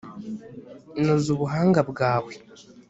noza ubuhanga bwawe